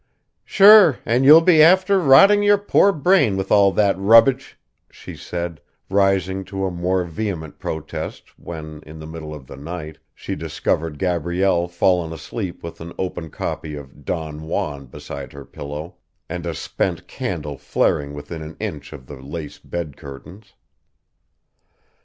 "Sure and you'll be after rotting your poor brain with all that rubbidge," she said, rising to a more vehement protest when, in the middle of the night, she discovered Gabrielle fallen asleep with an open copy of Don Juan beside her pillow and a spent candle flaring within an inch of the lace bed curtains.